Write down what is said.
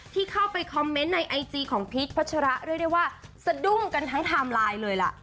ที่เข้าไปคอมเมนต์ในไอจีของพีชพัชระเรียกได้ว่าสะดุ้งกันทั้งไทม์ไลน์เลยล่ะ